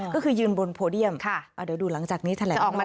ก็คือยืนบนโพเดียมเดี๋ยวดูหลังจากนี้แถลงออกมา